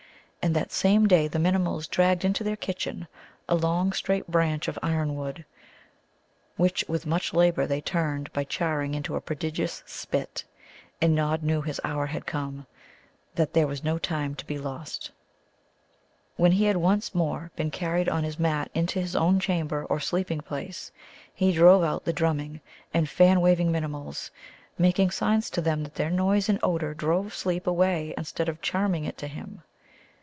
And that same day the Minimuls dragged into their kitchen a long straight branch of iron wood, which with much labour they turned by charring into a prodigious spit. And Nod knew his hour was come, that there was no time to be lost. When he had once more been carried on his mat into his own chamber or sleeping place, he drove out the drumming and fan waving Minimuls, making signs to them that their noise and odour drove sleep away instead of charming it to him.